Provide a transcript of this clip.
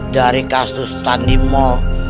dari kasus tandi moh